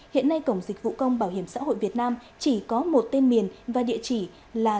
hiện nay cổng dịch vụ công bảo hiểm xã hội việt nam chỉ có một tên miền và địa chỉ là